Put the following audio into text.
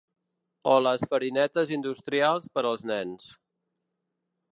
O les farinetes industrials per als nens.